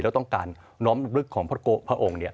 แล้วต้องการน้อมลึกของพระองค์